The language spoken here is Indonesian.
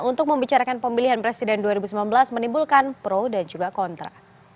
untuk membicarakan pemilihan presiden dua ribu sembilan belas menimbulkan pro dan juga kontra